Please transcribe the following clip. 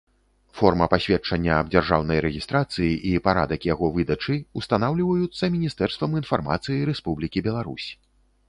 Форма пасведчання аб дзяржаўнай рэгiстрацыi i парадак яго выдачы ўстанаўлiваюцца Мiнiстэрствам iнфармацыi Рэспублiкi Беларусь.